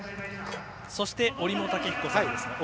そして、折茂武彦さんです。